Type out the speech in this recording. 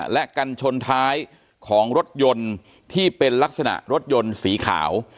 และกันชนท้ายของรถยนต์ที่เป็นลักษณะรถยนต์สีขาว